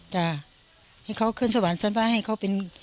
จ้ะให้เขาเคลื่อนสวรรค์สรรพาห์ให้เขาเป็น